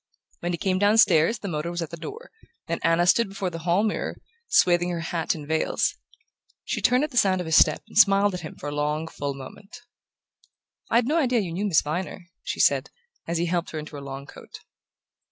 When he came downstairs the motor was at the door, and Anna stood before the hall mirror, swathing her hat in veils. She turned at the sound of his step and smiled at him for a long full moment. "I'd no idea you knew Miss Viner," she said, as he helped her into her long coat.